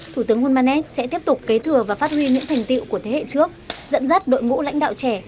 thủ tướng hulmanet sẽ tiếp tục kế thừa và phát huy những thành tiệu của thế hệ trước dẫn dắt đội ngũ lãnh đạo trẻ